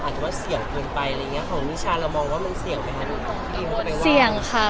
แต่ว่าทีนี้เขา